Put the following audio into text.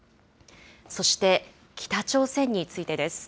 そして北朝鮮についてです。